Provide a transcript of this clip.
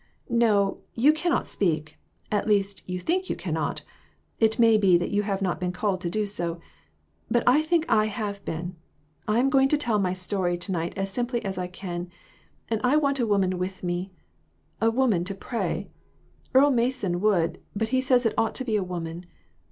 424 J. s. R. " No, you cannot speak ; at least, you think you cannot, and it may be you have not been called to do so ; but I think I have been. I am going to tell my story to night as simply as I can. And I want a woman with me a woman to pray. Earle Mason would, but he says it ought to be a woman.